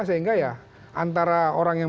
sehingga ya antara orang yang